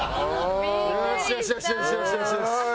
よしよしよしよし！